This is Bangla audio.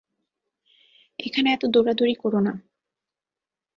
এখানে এত দৌড়াদৌড়ি করো না!